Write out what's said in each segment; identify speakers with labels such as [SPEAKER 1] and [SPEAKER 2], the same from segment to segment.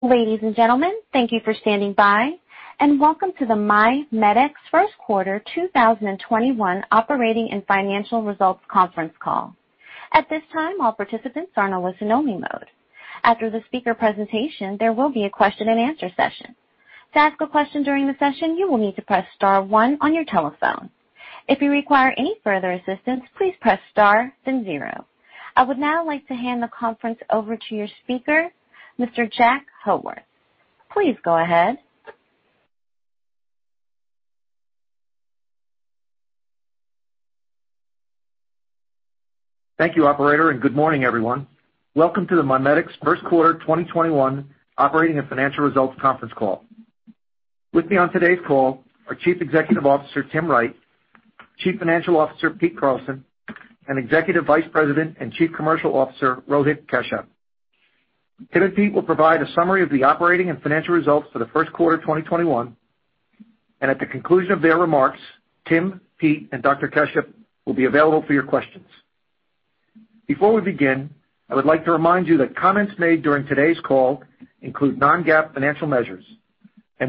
[SPEAKER 1] Ladies and gentlemen, thank you for standing by, welcome to the MiMedx First Quarter 2021 Operating and Financial Results Conference Call. At this time, all participants are in a listen-only mode. After the speaker presentation, there will be a question and answer session. To ask a question during the session, you will need to press star 1 on your telephone. If you require any further assistance, please press star then 0. I would now like to hand the conference over to your speaker, Mr. Jack Howarth. Please go ahead.
[SPEAKER 2] Thank you, operator. Good morning, everyone. Welcome to the MiMedx First Quarter 2021 Operating and Financial Results Conference Call. With me on today's call are Chief Executive Officer, Tim Wright, Chief Financial Officer, Pete Carlson, and Executive Vice President and Chief Commercial Officer, Rohit Kashyap. Tim and Pete will provide a summary of the operating and financial results for the first quarter 2021, and at the conclusion of their remarks, Tim, Pete, and Dr. Kashyap will be available for your questions. Before we begin, I would like to remind you that comments made during today's call include non-GAAP financial measures.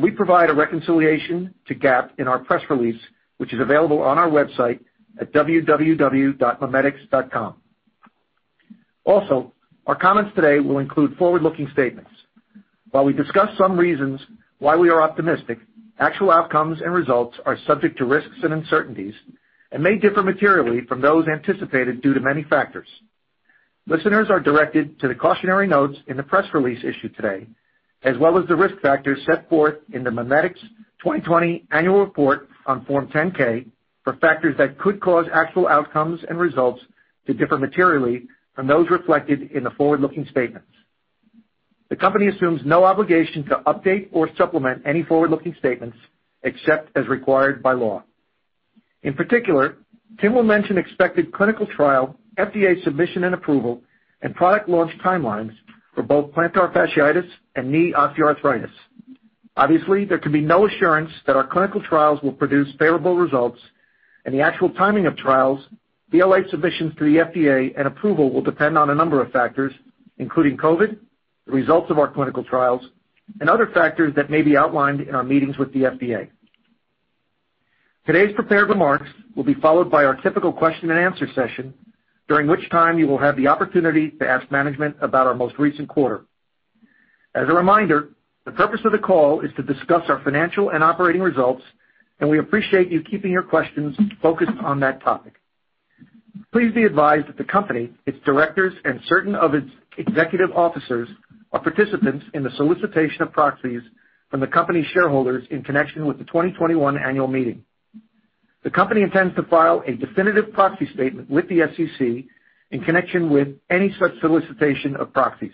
[SPEAKER 2] We provide a reconciliation to GAAP in our press release, which is available on our website at www.mimedx.com. Also, our comments today will include forward-looking statements. While we discuss some reasons why we are optimistic, actual outcomes and results are subject to risks and uncertainties and may differ materially from those anticipated due to many factors. Listeners are directed to the cautionary notes in the press release issued today, as well as the risk factors set forth in the MiMedx 2020 annual report on Form 10-K for factors that could cause actual outcomes and results to differ materially from those reflected in the forward-looking statements. The company assumes no obligation to update or supplement any forward-looking statements, except as required by law. In particular, Tim will mention expected clinical trial, FDA submission and approval, and product launch timelines for both plantar fasciitis and knee osteoarthritis. Obviously, there can be no assurance that our clinical trials will produce favorable results, and the actual timing of trials, BLA submissions to the FDA, and approval will depend on a number of factors, including COVID, the results of our clinical trials, and other factors that may be outlined in our meetings with the FDA. Today's prepared remarks will be followed by our typical question and answer session, during which time you will have the opportunity to ask management about our most recent quarter. As a reminder, the purpose of the call is to discuss our financial and operating results, and we appreciate you keeping your questions focused on that topic. Please be advised that the company, its directors, and certain of its executive officers are participants in the solicitation of proxies from the company's shareholders in connection with the 2021 annual meeting. The company intends to file a definitive proxy statement with the SEC in connection with any such solicitation of proxies.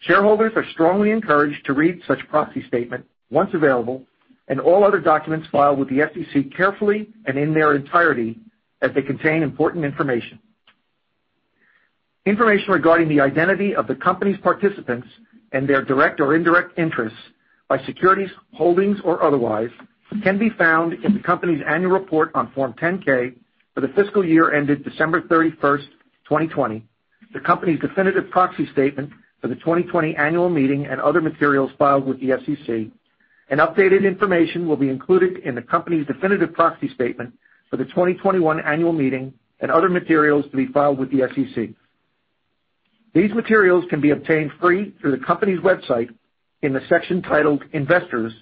[SPEAKER 2] Shareholders are strongly encouraged to read such proxy statement once available and all other documents filed with the SEC carefully and in their entirety as they contain important information. Information regarding the identity of the company's participants and their direct or indirect interests by securities holdings or otherwise can be found in the company's annual report on Form 10-K for the fiscal year ended December 31st, 2020, the company's definitive proxy statement for the 2020 annual meeting and other materials filed with the SEC, and updated information will be included in the company's definitive proxy statement for the 2021 annual meeting and other materials to be filed with the SEC. These materials can be obtained free through the company's website in the section titled Investors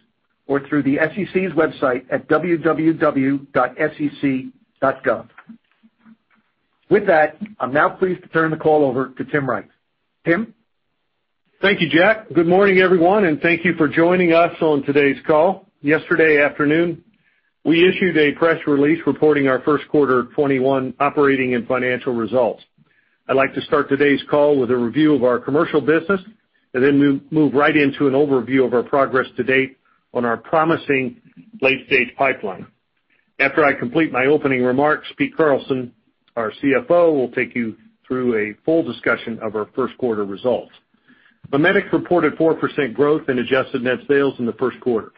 [SPEAKER 2] or through the SEC's website at www.sec.gov. With that, I'm now pleased to turn the call over to Tim Wright. Tim?
[SPEAKER 3] Thank you, Jack. Good morning, everyone, and thank you for joining us on today's call. Yesterday afternoon, we issued a press release reporting our first quarter 2021 operating and financial results. I'd like to start today's call with a review of our commercial business and then move right into an overview of our progress to date on our promising late-stage pipeline. After I complete my opening remarks, Pete Carlson, our CFO, will take you through a full discussion of our first quarter results. MiMedx reported 4% growth in adjusted net sales in the first quarter,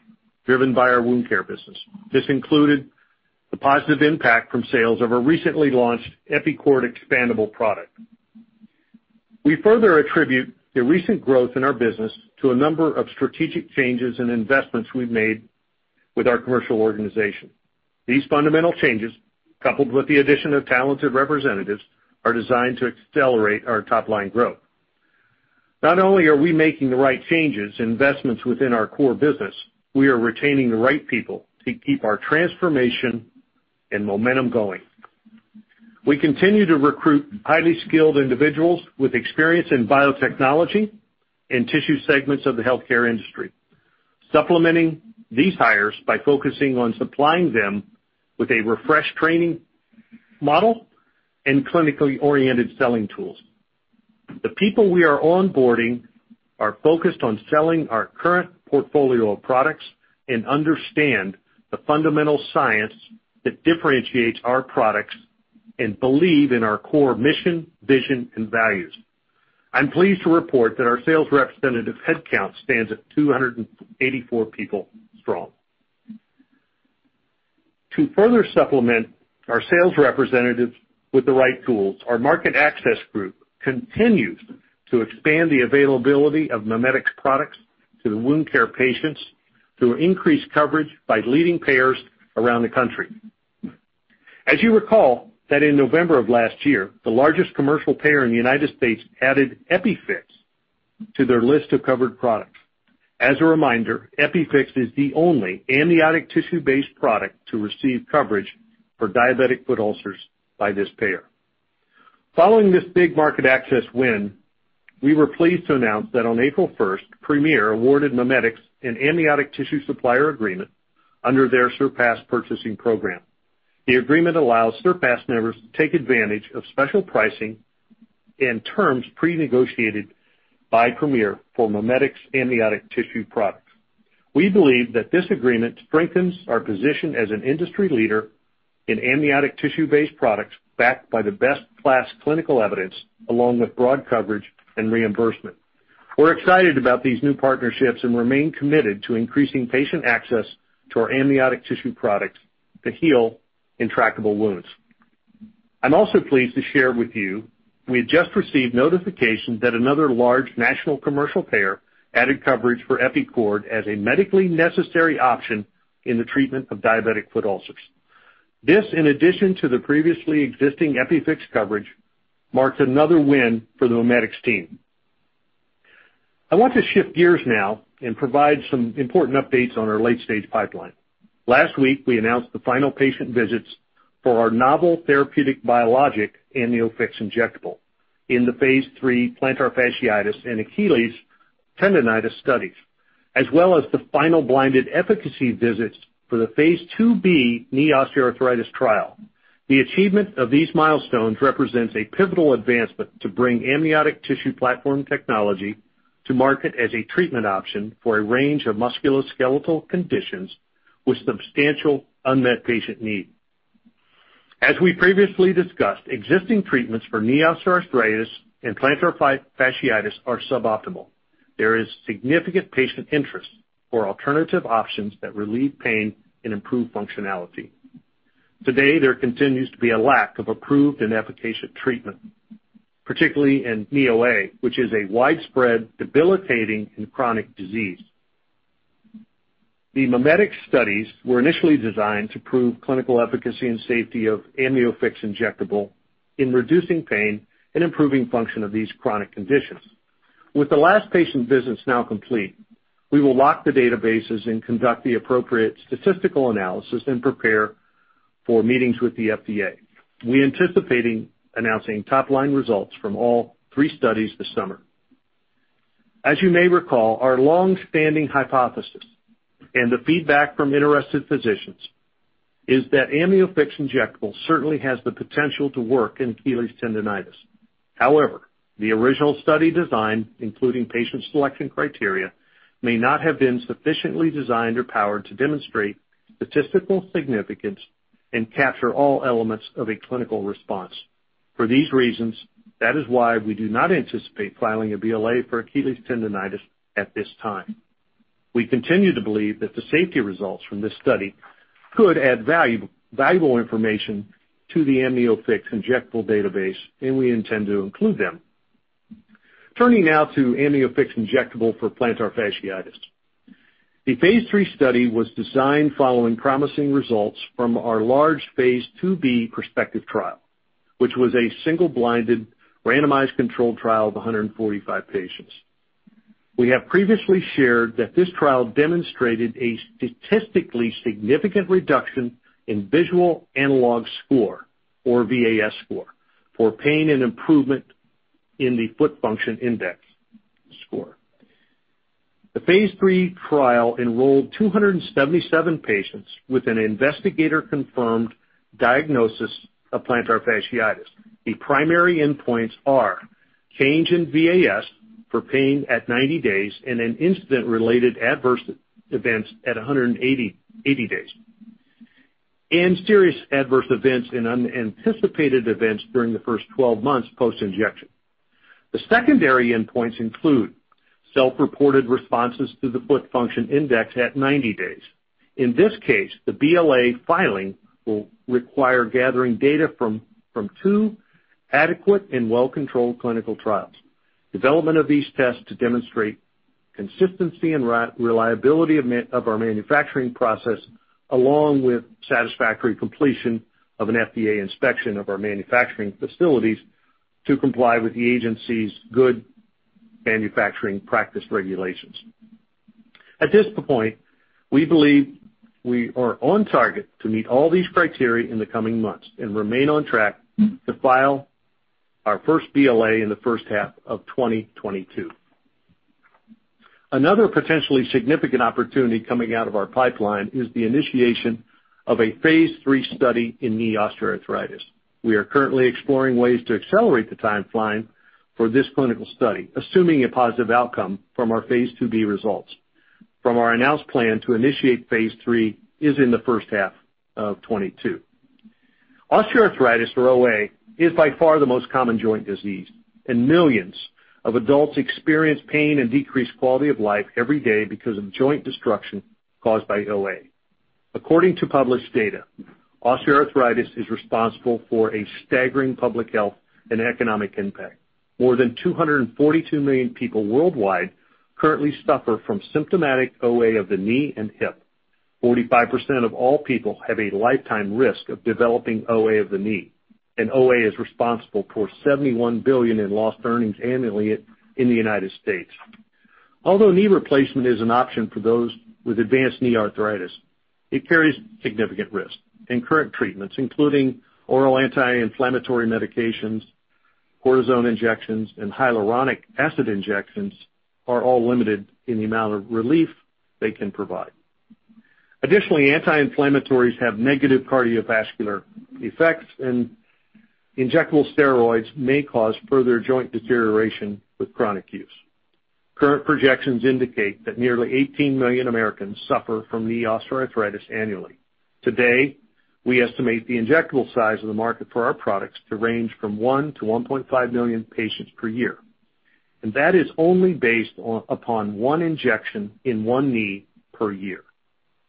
[SPEAKER 3] driven by our wound care business. This included the positive impact from sales of our recently launched EpiCord Expandable product. We further attribute the recent growth in our business to a number of strategic changes and investments we've made with our commercial organization. These fundamental changes, coupled with the addition of talented representatives, are designed to accelerate our top-line growth. Not only are we making the right changes and investments within our core business, we are retaining the right people to keep our transformation and momentum going. We continue to recruit highly skilled individuals with experience in biotechnology and tissue segments of the healthcare industry, supplementing these hires by focusing on supplying them with a refreshed training model and clinically oriented selling tools. The people we are onboarding are focused on selling our current portfolio of products and understand the fundamental science that differentiates our products and believe in our core mission, vision, and values. I'm pleased to report that our sales representative headcount stands at 284 people strong. To further supplement our sales representatives with the right tools, our market access group continues to expand the availability of MiMedx products to wound care patients through increased coverage by leading payers around the country. As you recall, that in November of last year, the largest commercial payer in the U.S. added EpiFix to their list of covered products. As a reminder, EpiFix is the only amniotic tissue-based product to receive coverage for diabetic foot ulcers by this payer. Following this big market access win, we were pleased to announce that on April 1st, Premier awarded MiMedx an amniotic tissue supplier agreement under their SURPASS purchasing program. The agreement allows SURPASS members to take advantage of special pricing and terms pre-negotiated by Premier for MiMedx amniotic tissue products. We believe that this agreement strengthens our position as an industry leader in amniotic tissue-based products backed by the best class clinical evidence, along with broad coverage and reimbursement. We're excited about these new partnerships and remain committed to increasing patient access to our amniotic tissue products to heal intractable wounds. I'm also pleased to share with you we have just received notification that another large national commercial payer added coverage for EpiCord as a medically necessary option in the treatment of diabetic foot ulcers. This, in addition to the previously existing EpiFix coverage, marks another win for the MiMedx team. I want to shift gears now and provide some important updates on our late-stage pipeline. Last week, we announced the final patient visits for our novel therapeutic biologic, AmnioFix Injectable, in the phase III plantar fasciitis and Achilles tendonitis studies, as well as the final blinded efficacy visits for the phase II-B knee OA trial. The achievement of these milestones represents a pivotal advancement to bring amniotic tissue platform technology to market as a treatment option for a range of musculoskeletal conditions with substantial unmet patient need. As we previously discussed, existing treatments for knee OA and plantar fasciitis are suboptimal. There is significant patient interest for alternative options that relieve pain and improve functionality. Today, there continues to be a lack of approved and efficacious treatment, particularly in OA, which is a widespread, debilitating, and chronic disease. The MiMedx studies were initially designed to prove clinical efficacy and safety of AmnioFix Injectable in reducing pain and improving function of these chronic conditions. With the last patient visits now complete, we will lock the databases and conduct the appropriate statistical analysis and prepare for meetings with the FDA. We're anticipating announcing top-line results from all three studies this summer. As you may recall, our longstanding hypothesis and the feedback from interested physicians is that AmnioFix Injectable certainly has the potential to work in Achilles tendonitis. However, the original study design, including patient selection criteria, may not have been sufficiently designed or powered to demonstrate statistical significance and capture all elements of a clinical response. For these reasons, that is why we do not anticipate filing a BLA for Achilles tendonitis at this time. We continue to believe that the safety results from this study could add valuable information to the AmnioFix Injectable database, and we intend to include them. Turning now to AmnioFix Injectable for plantar fasciitis. The phase III study was designed following promising results from our large phase II-B prospective trial, which was a single-blinded, randomized controlled trial of 145 patients. We have previously shared that this trial demonstrated a statistically significant reduction in Visual Analog Scale, or VAS score, for pain and improvement in the Foot Function Index score. The phase III trial enrolled 277 patients with an investigator-confirmed diagnosis of plantar fasciitis. The primary endpoints are change in VAS for pain at 90 days and in incident-related adverse events at 180 days, and serious adverse events and unanticipated events during the first 12 months post-injection. The secondary endpoints include self-reported responses to the Foot Function Index at 90 days. In this case, the BLA filing will require gathering data from two adequate and well-controlled clinical trials. Development of these tests to demonstrate consistency and reliability of our manufacturing process, along with satisfactory completion of an FDA inspection of our manufacturing facilities to comply with the agency's Good Manufacturing Practice regulations. At this point, we believe we are on target to meet all these criteria in the coming months and remain on track to file our first BLA in the first half of 2022. Another potentially significant opportunity coming out of our pipeline is the initiation of a phase III study in knee osteoarthritis. We are currently exploring ways to accelerate the timeline for this clinical study, assuming a positive outcome from our phase II-B results. From our announced plan to initiate phase III is in the first half of 2022. Osteoarthritis, or OA, is by far the most common joint disease, and millions of adults experience pain and decreased quality of life every day because of joint destruction caused by OA. According to published data, osteoarthritis is responsible for a staggering public health and economic impact. More than 242 million people worldwide currently suffer from symptomatic OA of the knee and hip. 45% of all people have a lifetime risk of developing OA of the knee, and OA is responsible for $71 billion in lost earnings annually in the U.S. Although knee replacement is an option for those with advanced knee arthritis, it carries significant risk, and current treatments, including oral anti-inflammatory medications, cortisone injections, and hyaluronic acid injections, are all limited in the amount of relief they can provide. Additionally, anti-inflammatories have negative cardiovascular effects, and injectable steroids may cause further joint deterioration with chronic use. Current projections indicate that nearly 18 million Americans suffer from Knee Osteoarthritis annually. Today, we estimate the injectable size of the market for our products to range from 1 million-1.5 million patients per year, and that is only based upon one injection in one knee per year.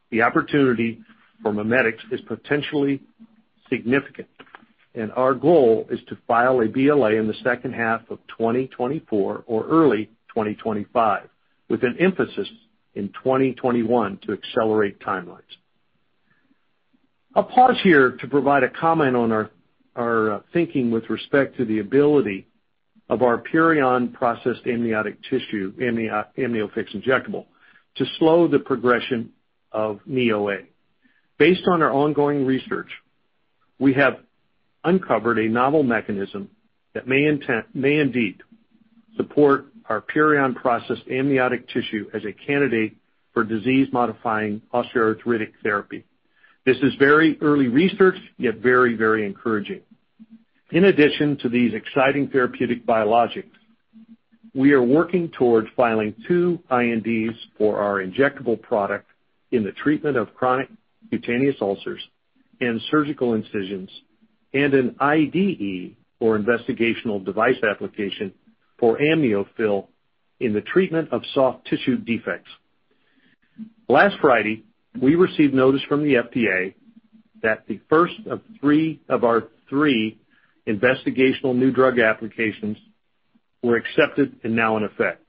[SPEAKER 3] The opportunity for MiMedx is potentially significant, and our goal is to file a BLA in the second half of 2024 or early 2025, with an emphasis in 2021 to accelerate timelines. I'll pause here to provide a comment on our thinking with respect to the ability of our PURION processed amniotic tissue, AmnioFix Injectable, to slow the progression of knee OA. Based on our ongoing research, we have uncovered a novel mechanism that may indeed support our PURION processed amniotic tissue as a candidate for disease-modifying osteoarthritic therapy. This is very early research, yet very encouraging. In addition to these exciting therapeutic biologics, we are working towards filing two INDs for our injectable product in the treatment of chronic cutaneous ulcers and surgical incisions, and an IDE, or investigational device application, for AmnioFill in the treatment of soft tissue defects. Last Friday, we received notice from the FDA that the first of our three investigational new drug applications were accepted and now in effect.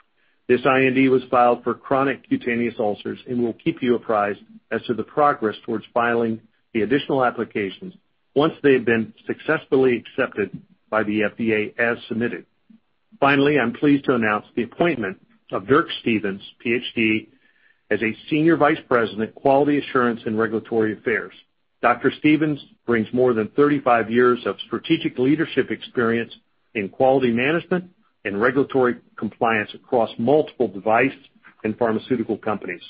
[SPEAKER 3] This IND was filed for chronic cutaneous ulcers and we'll keep you apprised as to the progress towards filing the additional applications once they've been successfully accepted by the FDA as submitted. Finally, I'm pleased to announce the appointment of Dirk Stevens, PhD, as a Senior Vice President, Quality Assurance and Regulatory Affairs. Dr. Stevens brings more than 35 years of strategic leadership experience in quality management and regulatory compliance across multiple device and pharmaceutical companies.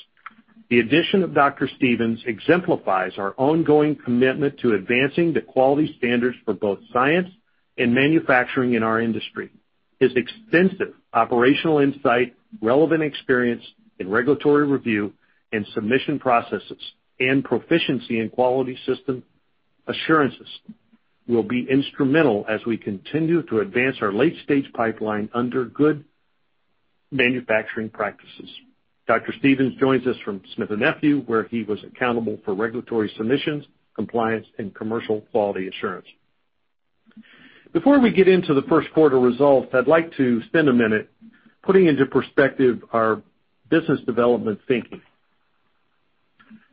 [SPEAKER 3] The addition of Dr. Stevens exemplifies our ongoing commitment to advancing the quality standards for both science and manufacturing in our industry. His extensive operational insight, relevant experience in regulatory review and submission processes, and proficiency in quality system assurances will be instrumental as we continue to advance our late-stage pipeline under Good Manufacturing Practice. Dr. Stevens joins us from Smith & Nephew, where he was accountable for regulatory submissions, compliance, and commercial quality assurance. Before we get into the first quarter results, I'd like to spend a minute putting into perspective our business development thinking.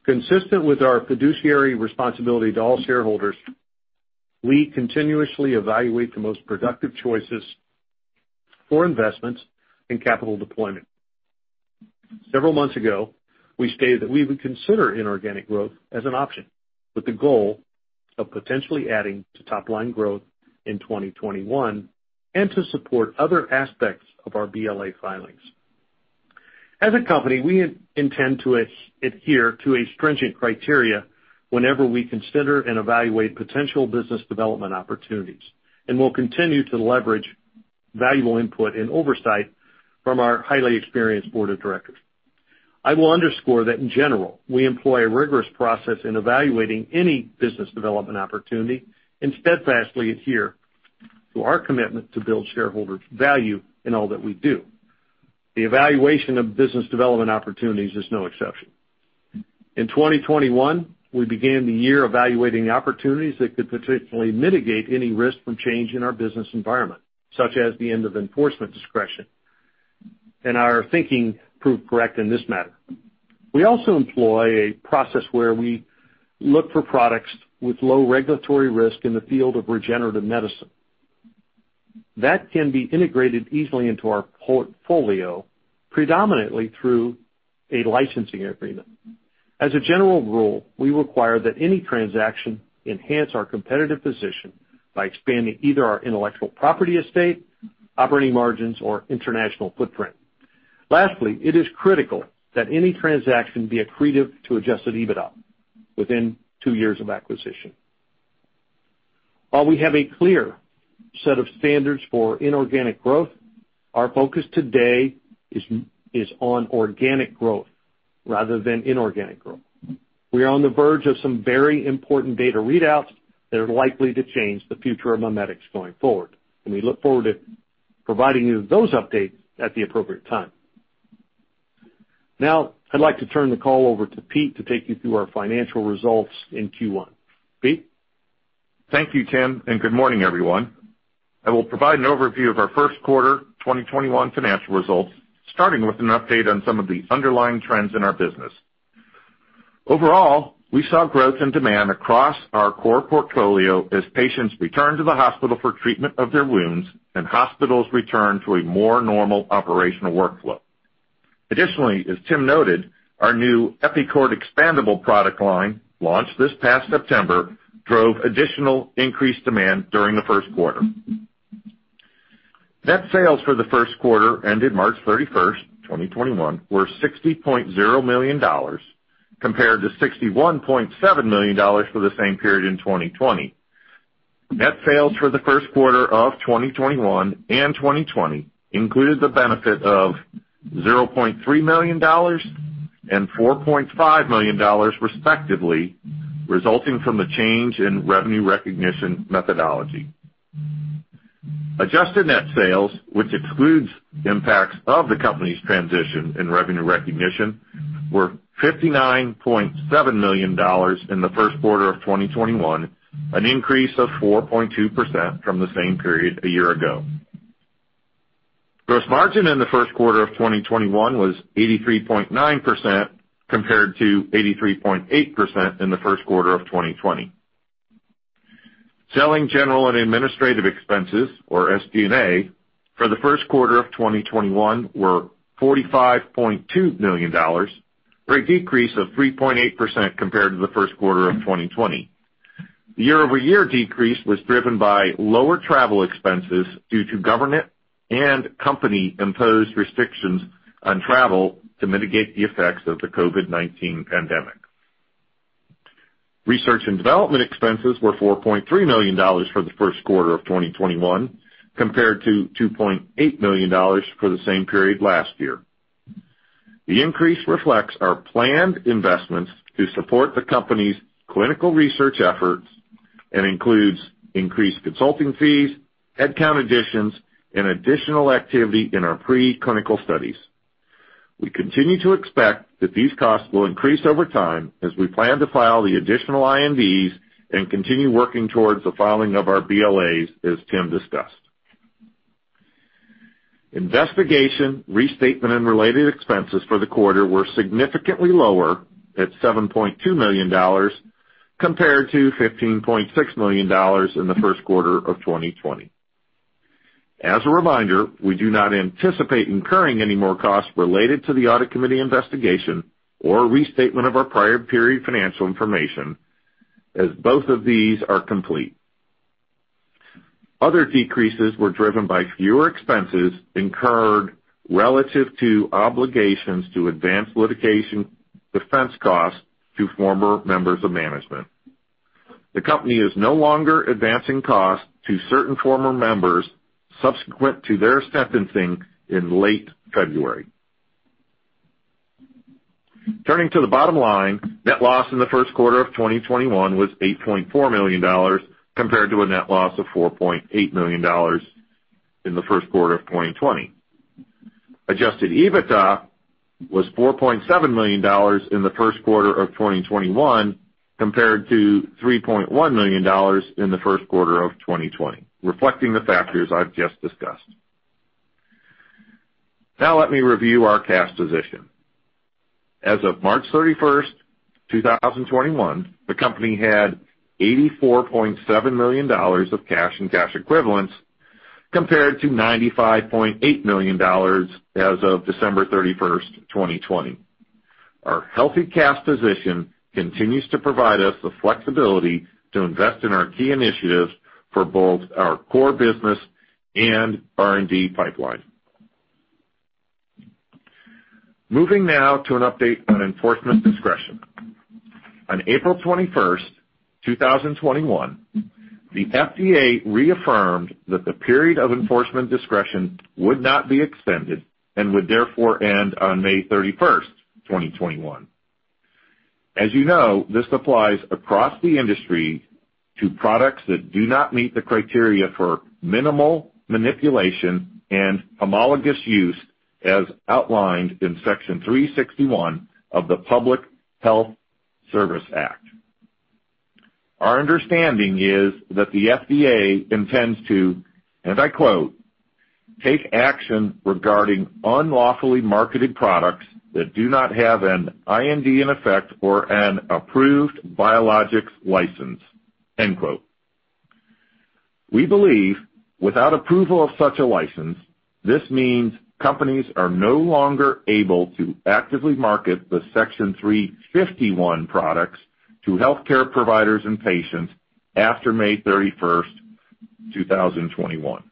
[SPEAKER 3] Consistent with our fiduciary responsibility to all shareholders, we continuously evaluate the most productive choices for investments and capital deployment. Several months ago, we stated that we would consider inorganic growth as an option, with the goal of potentially adding to top-line growth in 2021 and to support other aspects of our BLA filings. As a company, we intend to adhere to a stringent criteria whenever we consider and evaluate potential business development opportunities, and will continue to leverage valuable input and oversight from our highly experienced Board of Directors. I will underscore that in general, we employ a rigorous process in evaluating any business development opportunity and steadfastly adhere to our commitment to build shareholder value in all that we do. The evaluation of business development opportunities is no exception. In 2021, we began the year evaluating opportunities that could potentially mitigate any risk from change in our business environment, such as the end of enforcement discretion. Our thinking proved correct in this matter. We also employ a process where we look for products with low regulatory risk in the field of regenerative medicine that can be integrated easily into our portfolio, predominantly through a licensing agreement. As a general rule, we require that any transaction enhance our competitive position by expanding either our intellectual property estate, operating margins, or international footprint. Lastly, it is critical that any transaction be accretive to adjusted EBITDA within two years of acquisition. While we have a clear set of standards for inorganic growth, our focus today is on organic growth rather than inorganic growth. We are on the verge of some very important data readouts that are likely to change the future of MiMedx going forward, and we look forward to providing you those updates at the appropriate time. Now, I'd like to turn the call over to Pete to take you through our financial results in Q1. Pete?
[SPEAKER 4] Thank you, Tim, and good morning, everyone. I will provide an overview of our first quarter 2021 financial results, starting with an update on some of the underlying trends in our business. Overall, we saw growth and demand across our core portfolio as patients returned to the hospital for treatment of their wounds and hospitals returned to a more normal operational workflow. Additionally, as Tim noted, our new EpiCord Expandable product line, launched this past September, drove additional increased demand during the first quarter. Net sales for the first quarter ended March 31st, 2021, were $60.0 million, compared to $61.7 million for the same period in 2020. Net sales for the first quarter of 2021 and 2020 included the benefit of $0.3 million and $4.5 million, respectively, resulting from the change in revenue recognition methodology. Adjusted net sales, which excludes impacts of the company's transition in revenue recognition, were $59.7 million in the first quarter of 2021, an increase of 4.2% from the same period a year ago. Gross margin in the first quarter of 2021 was 83.9%, compared to 83.8% in the first quarter of 2020. Selling, general, and administrative expenses, or SG&A, for the first quarter of 2021 were $45.2 million, for a decrease of 3.8% compared to the first quarter of 2020. The year-over-year decrease was driven by lower travel expenses due to government and company-imposed restrictions on travel to mitigate the effects of the COVID-19 pandemic. Research and development expenses were $4.3 million for the first quarter of 2021 compared to $2.8 million for the same period last year. The increase reflects our planned investments to support the company's clinical research efforts and includes increased consulting fees, headcount additions, and additional activity in our preclinical studies. We continue to expect that these costs will increase over time as we plan to file the additional INDs and continue working towards the filing of our BLAs, as Tim discussed. Investigation, restatement, and related expenses for the quarter were significantly lower at $7.2 million compared to $15.6 million in the first quarter of 2020. As a reminder, we do not anticipate incurring any more costs related to the audit committee investigation or restatement of our prior period financial information, as both of these are complete. Other decreases were driven by fewer expenses incurred relative to obligations to advance litigation defense costs to former members of management. The company is no longer advancing costs to certain former members subsequent to their sentencing in late February. Turning to the bottom line, net loss in the first quarter of 2021 was $8.4 million, compared to a net loss of $4.8 million in the first quarter of 2020. Adjusted EBITDA was $4.7 million in the first quarter of 2021 compared to $3.1 million in the first quarter of 2020, reflecting the factors I've just discussed. Now let me review our cash position. As of March 31st, 2021, the company had $84.7 million of cash and cash equivalents compared to $95.8 million as of December 31st, 2020. Our healthy cash position continues to provide us the flexibility to invest in our key initiatives for both our core business and R&D pipeline. Moving now to an update on enforcement discretion. On April 21st, 2021, the FDA reaffirmed that the period of enforcement discretion would not be extended and would therefore end on May 31st, 2021. As you know, this applies across the industry to products that do not meet the criteria for minimal manipulation and homologous use as outlined in Section 361 of the Public Health Service Act. Our understanding is that the FDA intends to, and I quote, "Take action regarding unlawfully marketed products that do not have an IND in effect or an approved biologics license." End quote. We believe without approval of such a license, this means companies are no longer able to actively market the Section 351 products to healthcare providers and patients after May 31st, 2021.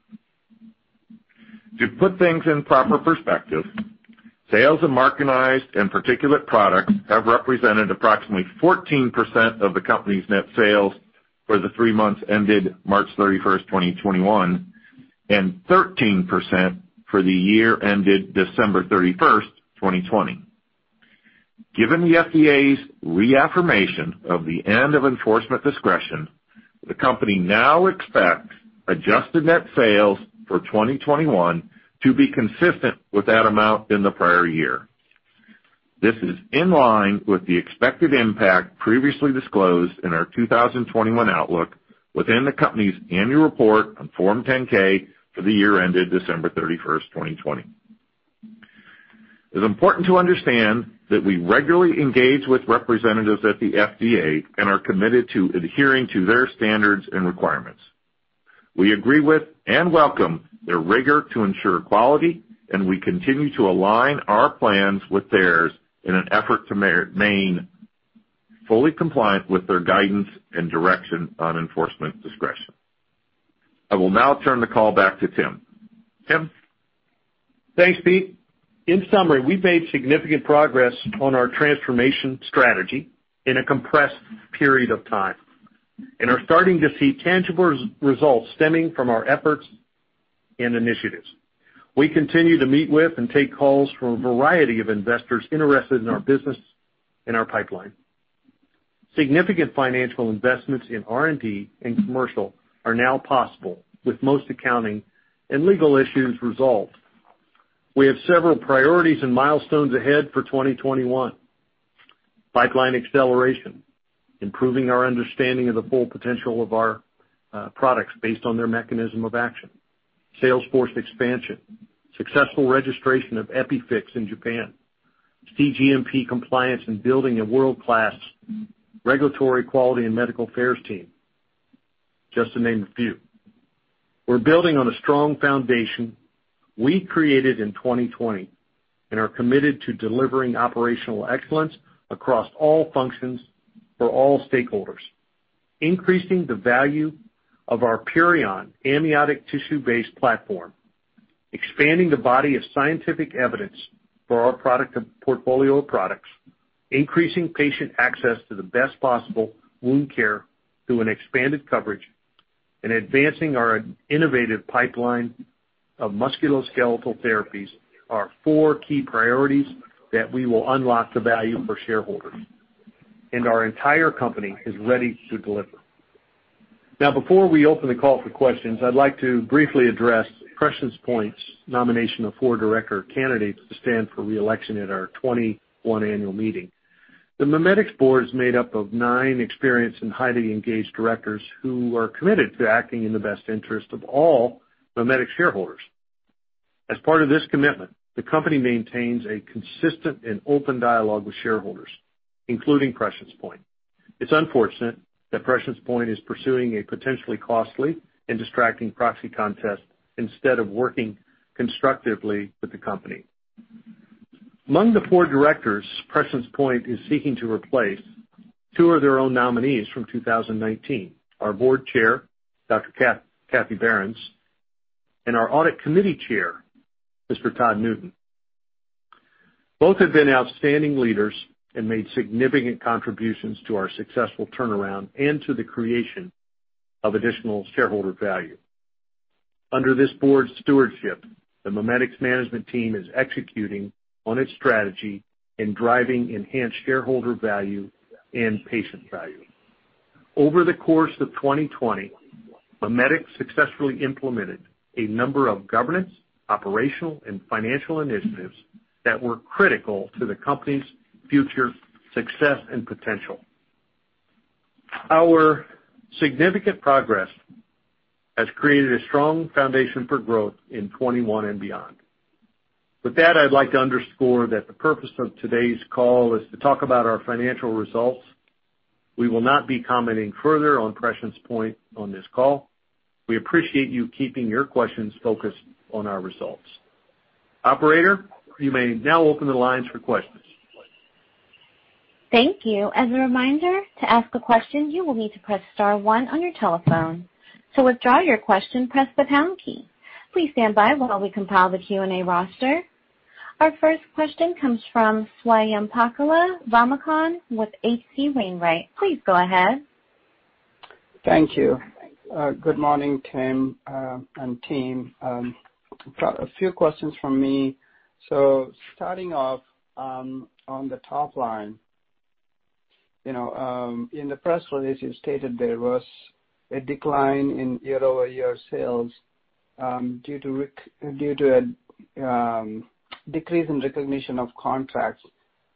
[SPEAKER 4] To put things in proper perspective, sales of Micronized and particulate products have represented approximately 14% of the company's net sales for the three months ended March 31st, 2021, and 13% for the year ended December 31st, 2020. Given the FDA's reaffirmation of the end of enforcement discretion, the company now expects adjusted net sales for 2021 to be consistent with that amount in the prior year. This is in line with the expected impact previously disclosed in our 2021 outlook within the company's annual report on Form 10-K for the year ended December 31st, 2020. It is important to understand that we regularly engage with representatives at the FDA and are committed to adhering to their standards and requirements. We agree with and welcome their rigor to ensure quality, and we continue to align our plans with theirs in an effort to remain fully compliant with their guidance and direction on enforcement discretion. I will now turn the call back to Tim. Tim?
[SPEAKER 3] Thanks, Pete. In summary, we've made significant progress on our transformation strategy in a compressed period of time and are starting to see tangible results stemming from our efforts and initiatives. We continue to meet with and take calls from a variety of investors interested in our business and our pipeline. Significant financial investments in R&D and commercial are now possible, with most accounting and legal issues resolved. We have several priorities and milestones ahead for 2021. Pipeline acceleration, improving our understanding of the full potential of our products based on their mechanism of action, sales force expansion, successful registration of EpiFix in Japan, cGMP compliance, and building a world-class regulatory quality and medical affairs team, just to name a few. We're building on a strong foundation we created in 2020 and are committed to delivering operational excellence across all functions for all stakeholders. Increasing the value of our PURION amniotic tissue-based platform, expanding the body of scientific evidence for our portfolio of products, increasing patient access to the best possible wound care through an expanded coverage, and advancing our innovative pipeline of musculoskeletal therapies are four key priorities that we will unlock the value for shareholders, and our entire company is ready to deliver. Before we open the call for questions, I'd like to briefly address Prescience Point's nomination of four director candidates to stand for re-election at our 2021 annual meeting. The MiMedx board is made up of nine experienced and highly engaged directors who are committed to acting in the best interest of all MiMedx shareholders. As part of this commitment, the company maintains a consistent and open dialogue with shareholders, including Prescience Point. It's unfortunate that Prescience Point is pursuing a potentially costly and distracting proxy contest instead of working constructively with the company. Among the four directors Prescience Point is seeking to replace, two are their own nominees from 2019, our Board Chair, Dr. Kathy Behrens, and our Audit Committee Chair, Mr. Todd Newton. Both have been outstanding leaders and made significant contributions to our successful turnaround and to the creation of additional shareholder value. Under this board's stewardship, the MiMedx management team is executing on its strategy and driving enhanced shareholder value and patient value. Over the course of 2020, MiMedx successfully implemented a number of governance, operational, and financial initiatives that were critical to the company's future success and potential. Our significant progress has created a strong foundation for growth in 2021 and beyond. With that, I'd like to underscore that the purpose of today's call is to talk about our financial results. We will not be commenting further on Prescience Point on this call. We appreciate you keeping your questions focused on our results. Operator, you may now open the lines for questions.
[SPEAKER 1] Thank you. As a reminder, to ask a question, you will need to press star one on your telephone. To withdraw your question, press the pound key. Please stand by while we compile the Q&A roster. Our first question comes from Swayampakula Ramakanth with H.C. Wainwright. Please go ahead.
[SPEAKER 5] Thank you. Good morning, Tim and team. A few questions from me. Starting off on the top line. In the press release, you stated there was a decline in year-over-year sales due to a decrease in recognition of contracts,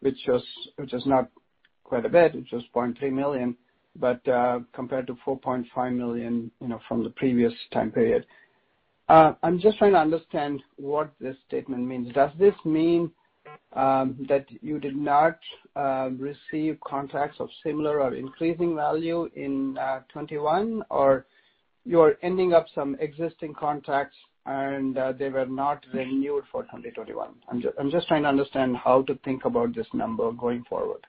[SPEAKER 5] which is not quite a bit. It's just $0.3 million, but compared to $4.5 million from the previous time period. I'm just trying to understand what this statement means. Does this mean that you did not receive contracts of similar or increasing value in 2021? Or you are ending up some existing contracts and they were not renewed for 2021? I'm just trying to understand how to think about this number going forward.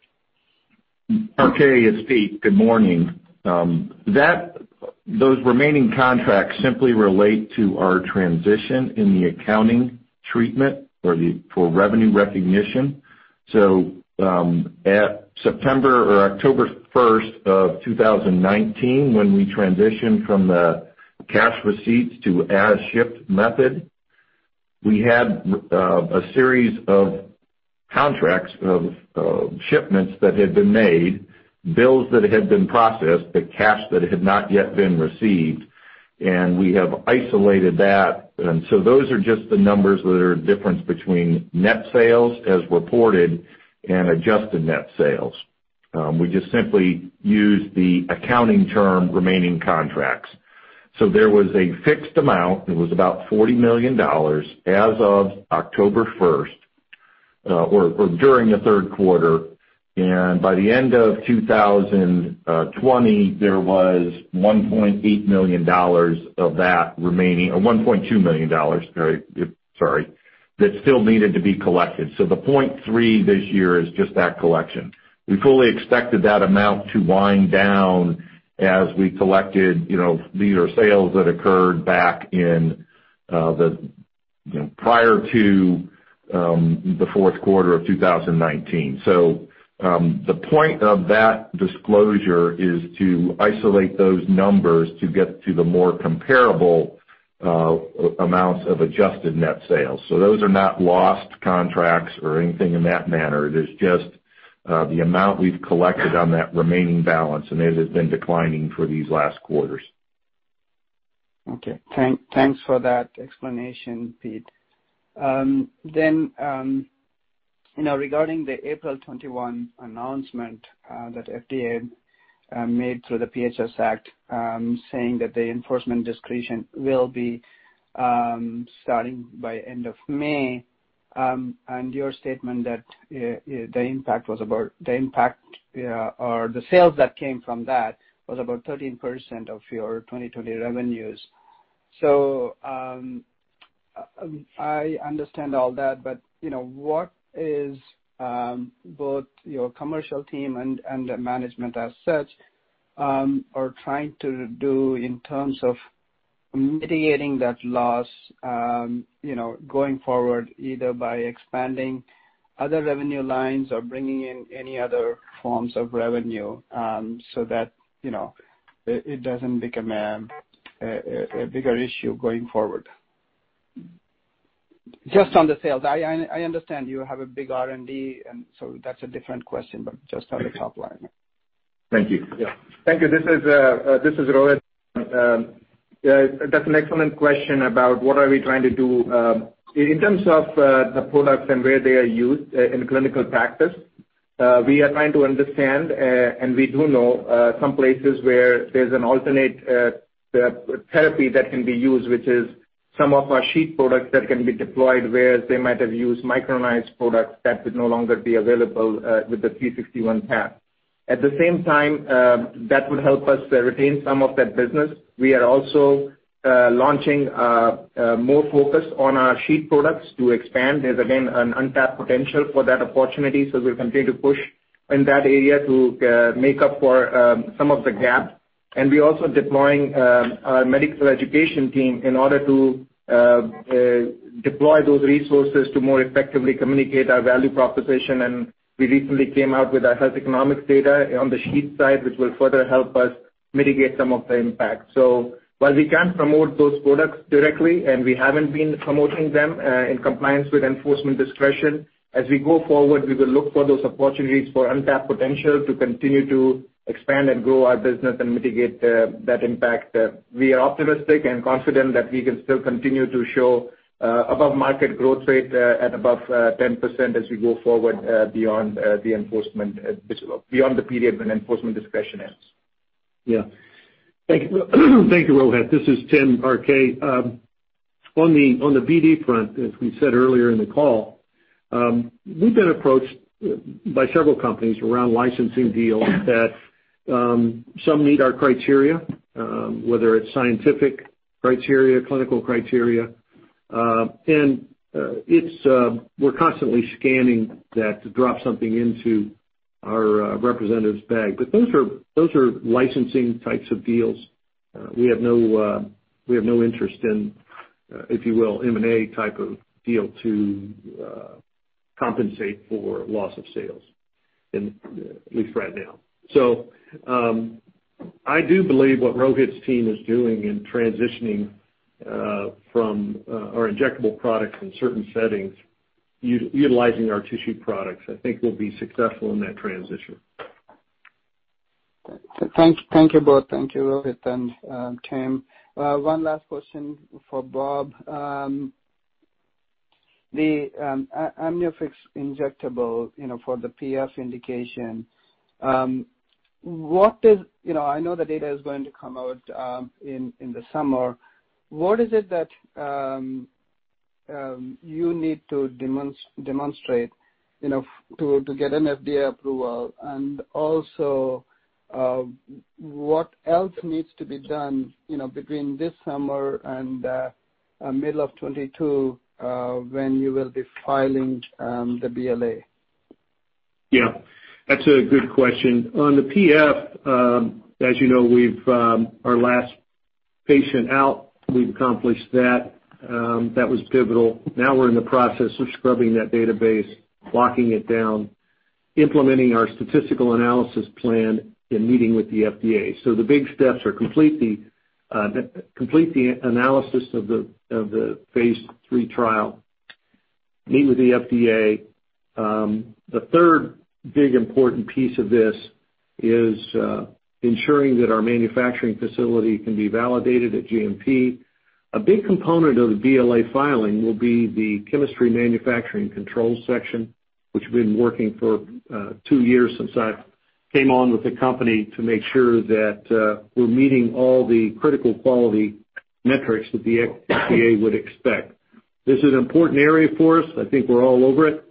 [SPEAKER 4] RK, it's Pete. Good morning. Those remaining contracts simply relate to our transition in the accounting treatment for revenue recognition. At September or October 1, 2019, when we transitioned from the cash receipts to as-shipped method, we had a series of contracts of shipments that had been made, bills that had been processed, but cash that had not yet been received, and we have isolated that. Those are just the numbers that are difference between net sales as reported and adjusted net sales. We just simply use the accounting term remaining contracts. There was a fixed amount, it was about $40 million, as of October first or during the third quarter. By the end of 2020, there was $1.8 million of that remaining, or $1.2 million, sorry, that still needed to be collected. The $0.3 this year is just that collection. We fully expected that amount to wind down as we collected these are sales that occurred back prior to the fourth quarter of 2019. The point of that disclosure is to isolate those numbers to get to the more comparable amounts of adjusted net sales. Those are not lost contracts or anything in that manner. There is just the amount we have collected on that remaining balance, and it has been declining for these last quarters.
[SPEAKER 5] Okay. Thanks for that explanation, Pete. Regarding the April 21 announcement that FDA made through the PHS Act, saying that the enforcement discretion will be starting by end of May, and your statement that the sales that came from that was about 13% of your 2020 revenues, I understand all that, but what is both your commercial team and the management as such are trying to do in terms of mitigating that loss going forward, either by expanding other revenue lines or bringing in any other forms of revenue so that it doesn't become a bigger issue going forward? Just on the sales. I understand you have a big R&D, and so that's a different question, but just on the top line.
[SPEAKER 3] Thank you.
[SPEAKER 6] Yeah.Thank you. This is Rohit. That's an excellent question about what are we trying to do. In terms of the products and where they are used in clinical practice, we are trying to understand and we do know some places where there's an alternate therapy that can be used, which is some of our sheet products that can be deployed where they might have used Micronized products that would no longer be available with the 361 path. At the same time, that will help us retain some of that business. We are also launching more focus on our sheet products to expand. There's again, an untapped potential for that opportunity, so we'll continue to push in that area to make up for some of the gap. We're also deploying our medical education team in order to deploy those resources to more effectively communicate our value proposition. We recently came out with our health economics data on the sheet side, which will further help us mitigate some of the impact. While we can't promote those products directly, and we haven't been promoting them in compliance with enforcement discretion, as we go forward, we will look for those opportunities for untapped potential to continue to expand and grow our business and mitigate that impact. We are optimistic and confident that we can still continue to show above-market growth rate at above 10% as we go forward beyond the period when enforcement discretion ends.
[SPEAKER 3] Thank you, Rohit. This is Tim, RK. On the BD front, as we said earlier in the call, we've been approached by several companies around licensing deals that some meet our criteria, whether it's scientific criteria, clinical criteria. We're constantly scanning that to drop something into our representative's bag. Those are licensing types of deals. We have no interest in, if you will, M&A type of deal to compensate for loss of sales, at least right now. I do believe what Rohit's team is doing in transitioning from our injectable products in certain settings, utilizing our tissue products, I think we'll be successful in that transition.
[SPEAKER 5] Thank you both. Thank you, Rohit and Tim. One last question for Bob. The AmnioFix Injectable for the PF indication. I know the data is going to come out in the summer. What is it that you need to demonstrate to get an FDA approval? What else needs to be done between this summer and middle of 2022, when you will be filing the BLA?
[SPEAKER 3] That's a good question. On the Phase III, as you know, our last patient out, we've accomplished that. That was pivotal. We're in the process of scrubbing that database, locking it down, implementing our statistical analysis plan, and meeting with the FDA. The big steps are complete the analysis of the Phase III trial, meet with the FDA. The third big important piece of this is ensuring that our manufacturing facility can be validated at GMP. A big component of the BLA filing will be the chemistry manufacturing controls section, which we've been working for two years since I came on with the company to make sure that we're meeting all the critical quality metrics that the FDA would expect. This is an important area for us. I think we're all over it.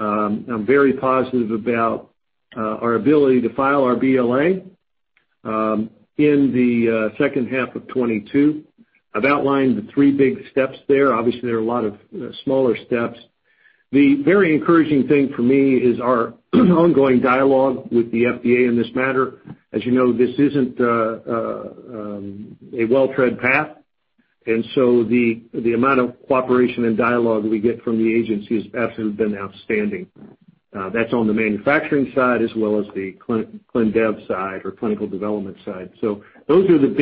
[SPEAKER 3] I'm very positive about our ability to file our BLA in the second half of 2022. I've outlined the three big steps there. Obviously, there are a lot of smaller steps. The very encouraging thing for me is our ongoing dialogue with the FDA in this matter. As you know, this isn't a well-tread path, and so the amount of cooperation and dialogue we get from the agency has absolutely been outstanding. That's on the manufacturing side as well as the clin dev side or clinical development side. Those are the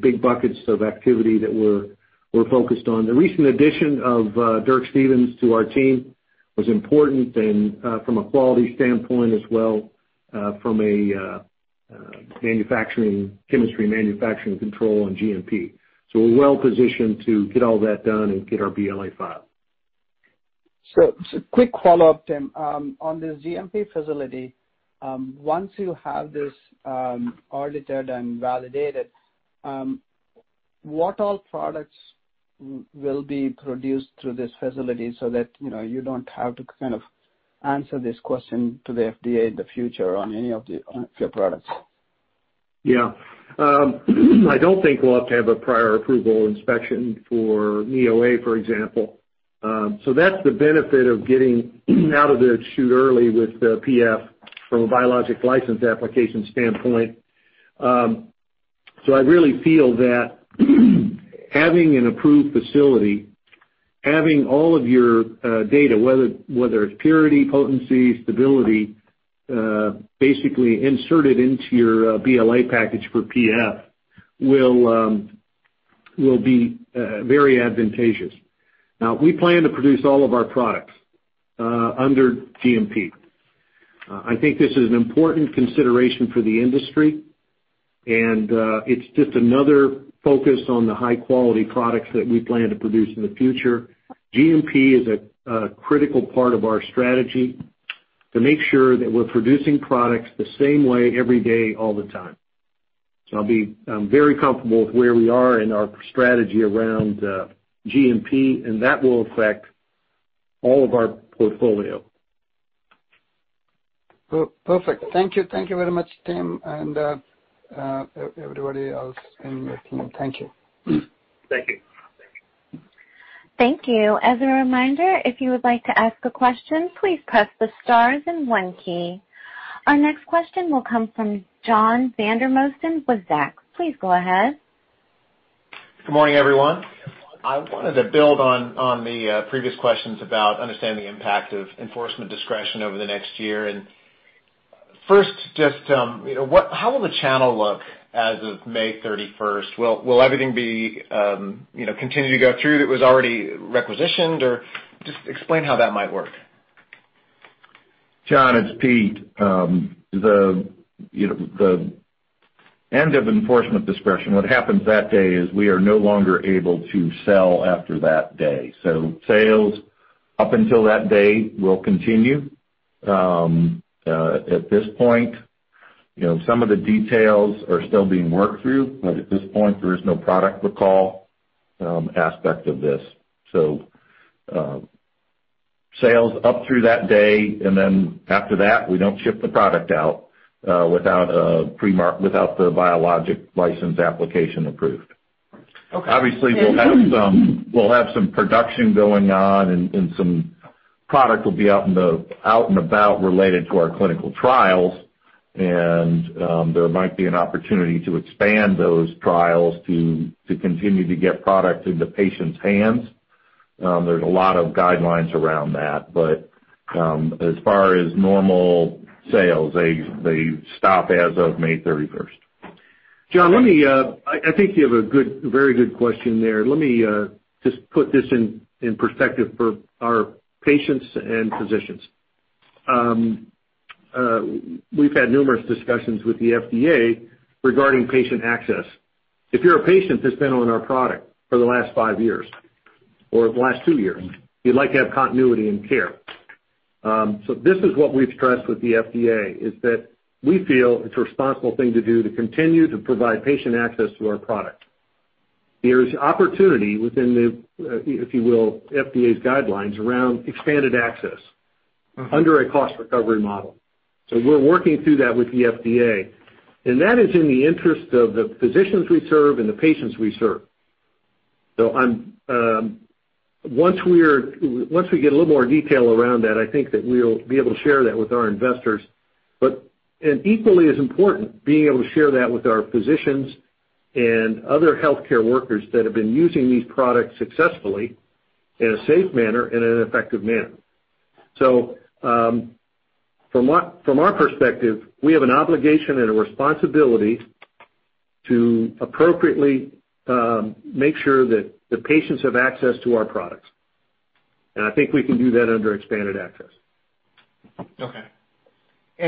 [SPEAKER 3] big buckets of activity that we're focused on. The recent addition of Dirk Stevens to our team was important from a quality standpoint as well from a chemistry manufacturing control and GMP. We're well-positioned to get all that done and get our BLA filed.
[SPEAKER 5] Just a quick follow-up, Tim. On this GMP facility, once you have this audited and validated, what all products will be produced through this facility so that you don't have to answer this question to the FDA in the future on any of your products?
[SPEAKER 3] I don't think we'll have to have a prior approval inspection for knee OA, for example. That's the benefit of getting out of the chute early with the PF from a Biologics License Application standpoint. I really feel that having an approved facility, having all of your data, whether it's purity, potency, stability basically inserted into your BLA package for PF will be very advantageous. We plan to produce all of our products under GMP. I think this is an important consideration for the industry, and it's just another focus on the high-quality products that we plan to produce in the future. GMP is a critical part of our strategy to make sure that we're producing products the same way every day, all the time. I'm very comfortable with where we are in our strategy around GMP, and that will affect all of our portfolio.
[SPEAKER 5] Perfect. Thank you. Thank you very much, Tim, and everybody else in your team. Thank you.
[SPEAKER 3] Thank you.
[SPEAKER 1] Thank you. As a reminder, if you would like to ask a question, please press the star then one key. Our next question will come from Please go ahead.
[SPEAKER 7] Good morning, everyone. I wanted to build on the previous questions about understanding the impact of enforcement discretion over the next year. First, just how will the channel look as of May 31st? Will everything continue to go through that was already requisitioned, or just explain how that might work?
[SPEAKER 4] John, it's Pete. The end of enforcement discretion, what happens that day is we are no longer able to sell after that day. Sales up until that day will continue. At this point, some of the details are still being worked through, but at this point, there is no product recall aspect of this. Sales up through that day, after that, we don't ship the product out without the Biologics License Application approved.
[SPEAKER 7] Okay.
[SPEAKER 4] Obviously, we'll have some production going on and some product will be out and about related to our clinical trials, and there might be an opportunity to expand those trials to continue to get product into patients' hands. There's a lot of guidelines around that, but as far as normal sales, they stop as of May 31st.
[SPEAKER 3] John, I think you have a very good question there. Let me just put this in perspective for our patients and physicians. We've had numerous discussions with the FDA regarding patient access. If you're a patient that's been on our product for the last five years or the last two years, you'd like to have continuity in care. This is what we've stressed with the FDA, is that we feel it's a responsible thing to do to continue to provide patient access to our product. There's opportunity within the, if you will, FDA's guidelines around expanded access under a cost recovery model. We're working through that with the FDA, and that is in the interest of the physicians we serve and the patients we serve. Once we get a little more detail around that, I think that we'll be able to share that with our investors. Equally as important, being able to share that with our physicians and other healthcare workers that have been using these products successfully in a safe manner and in an effective manner. From our perspective, we have an obligation and a responsibility to appropriately make sure that the patients have access to our products. I think we can do that under expanded access.
[SPEAKER 7] Okay. I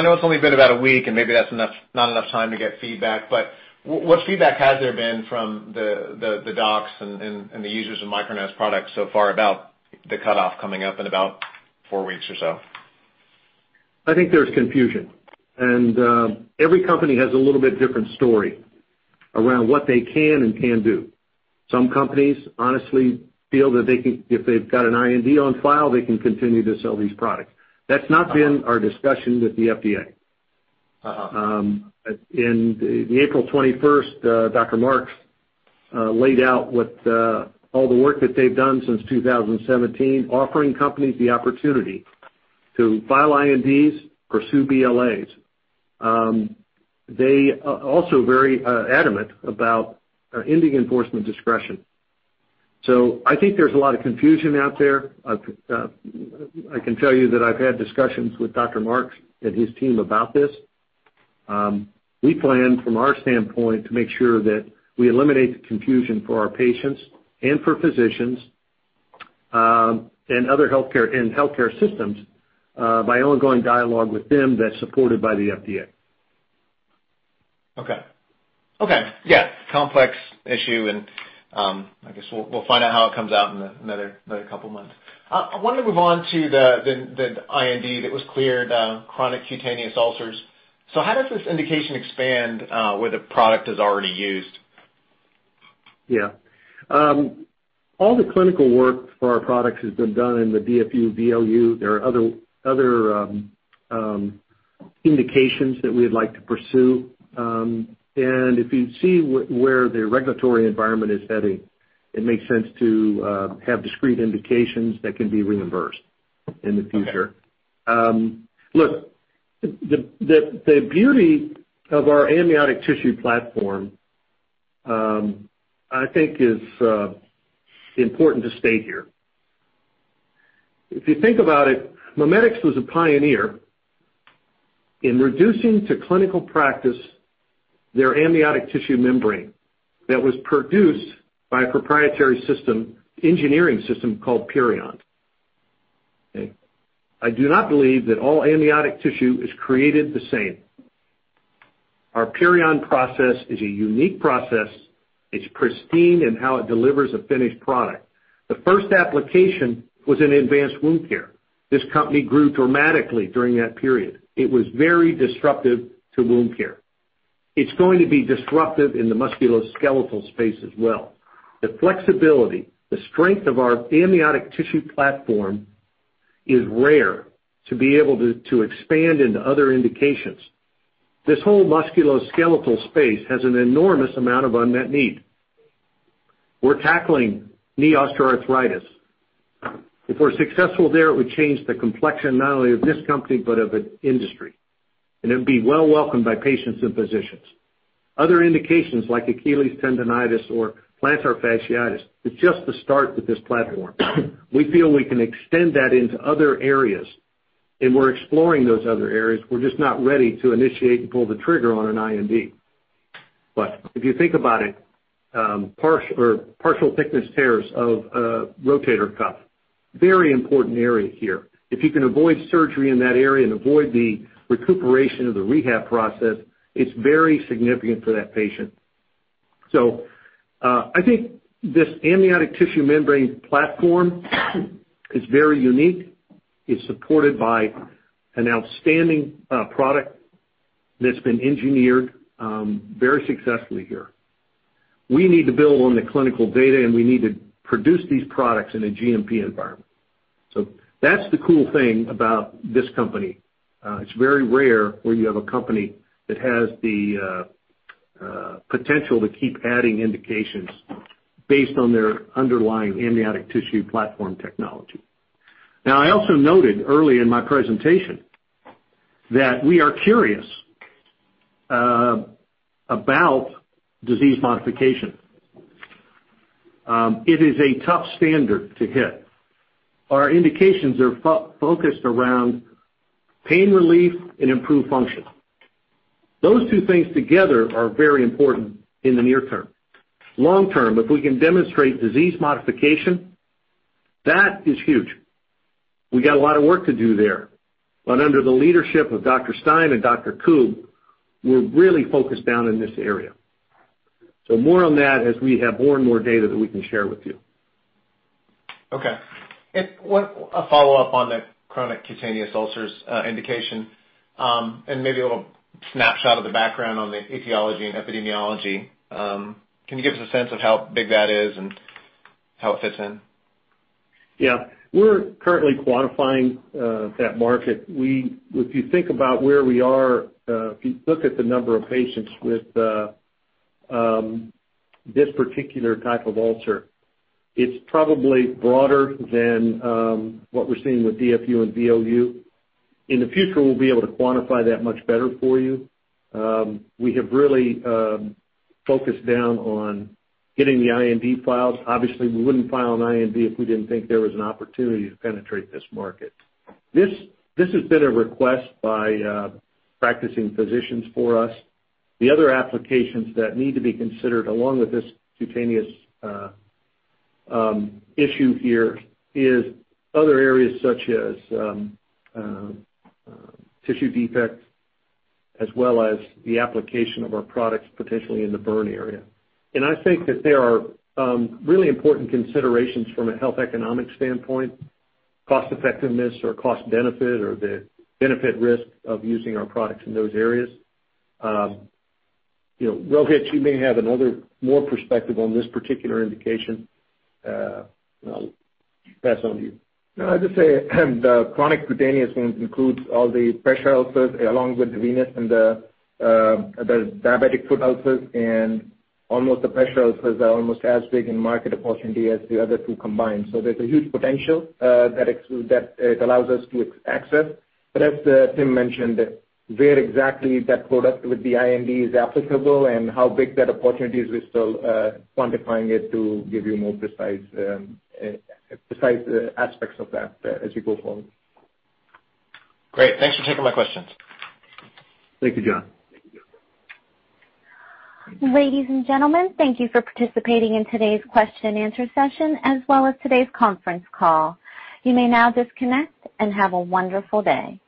[SPEAKER 7] know it's only been about a week, and maybe that's not enough time to get feedback, but what feedback has there been from the docs and the users of Micronized products so far about the cutoff coming up in about four weeks or so?
[SPEAKER 3] I think there's confusion, and every company has a little bit different story around what they can and can't do. Some companies honestly feel that if they've got an IND on file, they can continue to sell these products. That's not been our discussion with the FDA. In the April 21st, Peter Marks laid out what all the work that they've done since 2017, offering companies the opportunity to file INDs, pursue BLAs. They are also very adamant about ending enforcement discretion. I think there's a lot of confusion out there. I can tell you that I've had discussions with Peter Marks and his team about this. We plan, from our standpoint, to make sure that we eliminate the confusion for our patients and for physicians, and other healthcare systems, by ongoing dialogue with them that's supported by the FDA.
[SPEAKER 7] Okay. Yeah. Complex issue. I guess we'll find out how it comes out in another couple of months. I wanted to move on to the IND that was cleared, chronic cutaneous ulcers. How does this indication expand where the product is already used?
[SPEAKER 3] Yeah. All the clinical work for our products has been done in the DFU, VLU. There are other indications that we'd like to pursue. If you see where the regulatory environment is heading, it makes sense to have discrete indications that can be reimbursed in the future.
[SPEAKER 7] Okay.
[SPEAKER 3] The beauty of our amniotic tissue platform, I think is important to state here. If you think about it, MiMedx was a pioneer in reducing to clinical practice their amniotic tissue membrane that was produced by a proprietary system, engineering system called PURION. Okay? I do not believe that all amniotic tissue is created the same. Our PURION process is a unique process. It's pristine in how it delivers a finished product. The first application was in advanced wound care. This company grew dramatically during that period. It was very disruptive to wound care. It's going to be disruptive in the musculoskeletal space as well. The flexibility, the strength of our amniotic tissue platform is rare to be able to expand into other indications. This whole musculoskeletal space has an enormous amount of unmet need. We're tackling knee osteoarthritis. If we're successful there, it would change the complexion not only of this company, but of an industry, and it'd be well welcomed by patients and physicians. Other indications, like Achilles tendonitis or plantar fasciitis, it's just the start with this platform. We feel we can extend that into other areas, and we're exploring those other areas. We're just not ready to initiate and pull the trigger on an IND. If you think about it, partial thickness tears of a rotator cuff, very important area here. If you can avoid surgery in that area and avoid the recuperation of the rehab process, it's very significant for that patient. I think this amniotic tissue membrane platform is very unique. It's supported by an outstanding product that's been engineered very successfully here. We need to build on the clinical data, and we need to produce these products in a GMP environment. That's the cool thing about this company. It's very rare where you have a company that has the potential to keep adding indications based on their underlying amniotic tissue platform technology. Now, I also noted early in my presentation that we are curious about disease modification. It is a tough standard to hit. Our indications are focused around pain relief and improved function. Those two things together are very important in the near term. Long term, if we can demonstrate disease modification, that is huge. We got a lot of work to do there, but under the leadership of Dr. Stein and Dr. Koob, we're really focused down in this area. More on that as we have more and more data that we can share with you.
[SPEAKER 7] Okay. A follow-up on the chronic cutaneous ulcers indication, and maybe a little snapshot of the background on the etiology and epidemiology. Can you give us a sense of how big that is and how it fits in?
[SPEAKER 3] Yeah. We're currently quantifying that market. If you think about where we are, if you look at the number of patients with this particular type of ulcer, it's probably broader than what we're seeing with DFU and VLU. In the future, we'll be able to quantify that much better for you. We have really focused down on getting the IND filed. Obviously, we wouldn't file an IND if we didn't think there was an opportunity to penetrate this market. This has been a request by practicing physicians for us. The other applications that need to be considered along with this cutaneous issue here is other areas such as tissue defects as well as the application of our products potentially in the burn area. I think that there are really important considerations from a health economic standpoint, cost effectiveness or cost benefit or the benefit risk of using our products in those areas. Rohit, you may have another more perspective on this particular indication. I'll pass on to you.
[SPEAKER 6] I'll just say the chronic cutaneous includes all the pressure ulcers along with venous and the diabetic foot ulcers, and almost the pressure ulcers are almost as big in market opportunity as the other two combined. There's a huge potential that it allows us to access. As Tim mentioned, where exactly that product with the IND is applicable and how big that opportunity is, we're still quantifying it to give you more precise aspects of that as we go forward.
[SPEAKER 7] Great. Thanks for taking my questions.
[SPEAKER 3] Thank you, John.
[SPEAKER 1] Ladies and gentlemen, thank you for participating in today's question and answer session, as well as today's conference call. You may now disconnect and have a wonderful day.